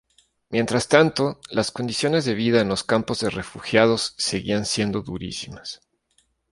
Mientras tanto las condiciones de vida en los campos de refugiados seguían siendo durísimas.